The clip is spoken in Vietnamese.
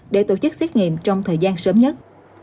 để tổ chức xét nghiệm trong thời gian sớm nhất